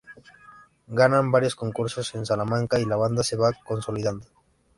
Ganan varios concursos en Salamanca y la banda se va consolidando.